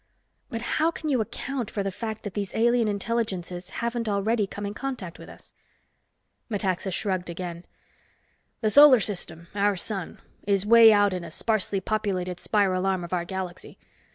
"But how can you account for the fact that these alien intelligences haven't already come in contact with us?" Metaxa shrugged again. "The Solar System, our sun, is way out in a sparsely populated spiral arm of our galaxy.